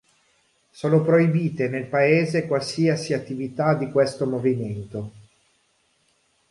Sono proibite nel paese qualsiasi attività di questo movimento.